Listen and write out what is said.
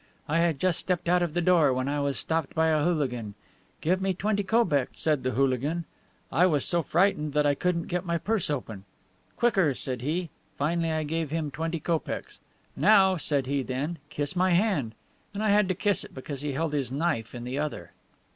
"I had just stepped out of the door when I was stopped by a hooligan. 'Give me twenty kopecks,' said the hooligan. I was so frightened that I couldn't get my purse open. 'Quicker,' said he. Finally I gave him twenty kopecks. 'Now,' said he then, 'kiss my hand.' And I had to kiss it, because he held his knife in the other."